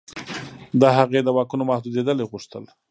د هغې د واکونو محدودېدل یې غوښتل.